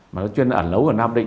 mà nó chuyên ẩn lấu ở nam định